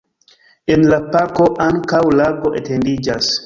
En la parko ankaŭ lago etendiĝas.